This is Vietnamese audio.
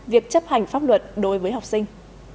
việc chấp hành pháp luật đối với học sinh